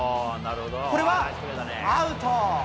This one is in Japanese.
これはアウト。